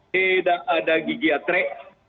tidak ada gigi atre